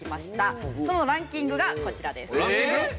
そのランキングがこちらです。